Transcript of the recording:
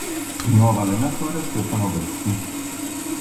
Il nuovo allenatore è Stefano Vecchi.